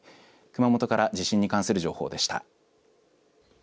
熊本から地震に関する情報でした。